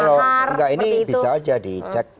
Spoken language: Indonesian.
kalau enggak ini bisa aja dicek